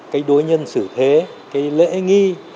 cái đối nhân xử thế cái lễ nghi